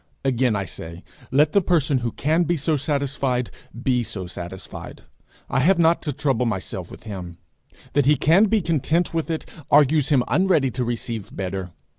Again I say, let the person who can be so satisfied be so satisfied; I have not to trouble myself with him. That he can be content with it, argues him unready to receive better.